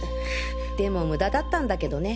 でも無駄だったんだけどね